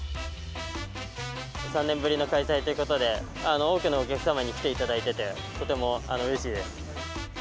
３年ぶりの開催ということで、多くのお客様に来ていただいてて、とてもうれしいです。